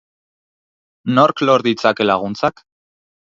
Nork lor ditzake laguntzak?